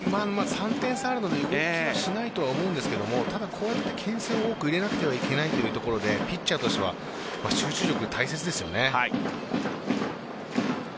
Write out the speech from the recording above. ３点差あるので動きはしないと思うんですけどもただ、けん制を多く入れなくてはいけないというところでピッチャーとしては集中力大切ですよね。